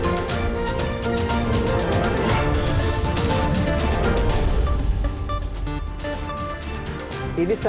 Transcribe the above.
untuk memperdayakan dengan berat